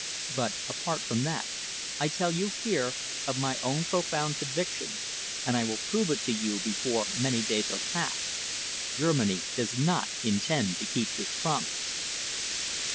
But, apart from that, I tell you here, of my own profound conviction and I will prove it to you before many days are past Germany does not intend to keep this promise."